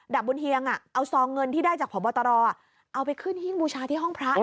บุญเฮียงเอาซองเงินที่ได้จากพบตรเอาไปขึ้นหิ้งบูชาที่ห้องพระ